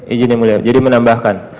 ijinimulai jadi menambahkan